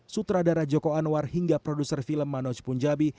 sutradara joko anwar hingga produser film manoj punjabi